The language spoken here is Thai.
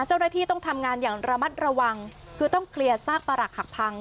เจ้าหน้าที่ต้องทำงานอย่างระมัดระวังคือต้องเคลียร์ซากประหลักหักพัง